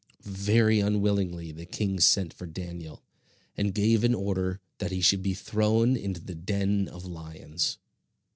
Very unwillingly the king sent for Daniel, and gave an order that he should be thrown into the den of lions.